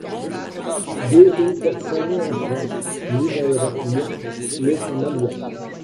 Deux rues portent son nom en Crète, l’une à Héraklion, l’autre à Malia.